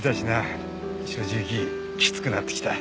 正直きつくなってきた。